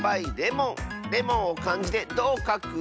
レモンをかんじでどうかく？